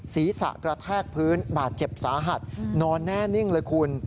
ศีรษะกระแทกพื้นบาดเจ็บสาหัสนอนแน่นิ่งเลยคุณ